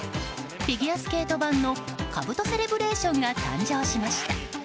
フィギュアスケート版のかぶとセレブレーションが誕生しました。